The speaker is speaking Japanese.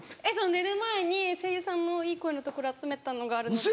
寝る前に声優さんのいい声のところ集めたのがあるので。